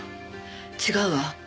違うわ。